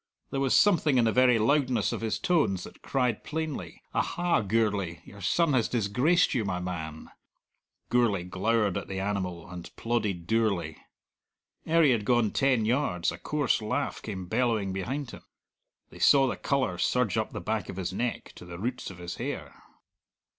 There was something in the very loudness of his tones that cried plainly, "Aha, Gourlay! Your son has disgraced you, my man!" Gourlay glowered at the animal and plodded dourly. Ere he had gone ten yards a coarse laugh came bellowing behind him. They saw the colour surge up the back of his neck, to the roots of his hair.